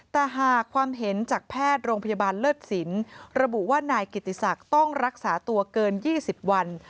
แต่หากความเห็นจากแพทย์โรงพยาบาลเลิศสินระบุว่านายกิติศักดิ์ต้องรักษาตัวเกิน๒๐วัน